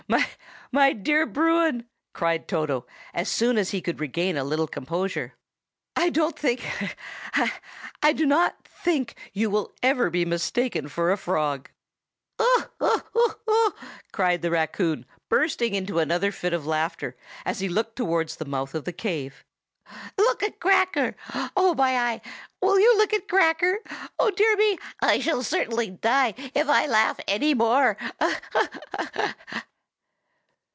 "My dear Bruin," cried Toto, as soon as he could regain a little composure, "I don't think—ha! ha! ha!—I really do not think you will ever be mistaken for a frog." "Ho! ho! ho!" cried the raccoon, bursting into another fit of laughter as he looked towards the mouth of the cave. "Look at Cracker. Oh, my eye! will you look at Cracker? Oh, dear me! I shall certainly die if I laugh any more. Ho! ho!"